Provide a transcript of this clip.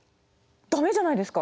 駄目じゃないですか？